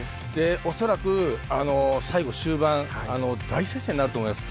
恐らく最後、終盤大接戦になると思います。